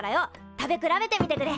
食べ比べてみてくれ。